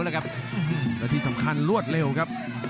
แล้วที่สำคัญรวดเร็วครับ